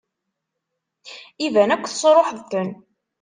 Iban akk tesṛuḥeḍ-ten.